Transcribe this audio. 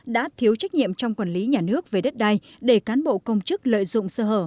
đã thiếu trách nhiệm trong quản lý nhà nước về đất đai để cán bộ công chức lợi dụng sơ hở